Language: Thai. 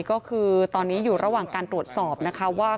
ก็คือตอนนี้อยู่ระหว่างการตรวจสอบนะคะว่า